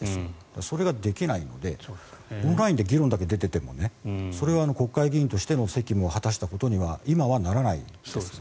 それができないのでオンラインで議論だけ出ていてもそれは国会議員としての責務を果たしたことには今はならないです。